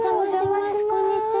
こんにちは。